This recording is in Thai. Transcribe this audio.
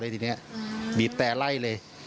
ตรงนี้เนี่ยบีบแคไล่เลย